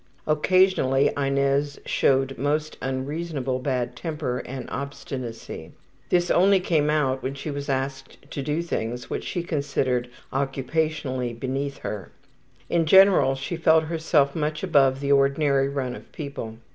Occasionally Inez showed most unreasonable bad temper and obstinacy. This only came out when she was asked to do things which she considered occupationally beneath her. In general she felt herself much above the ordinary run of people.